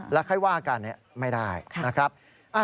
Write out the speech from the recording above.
และใครว่าอาการนี้ไม่ได้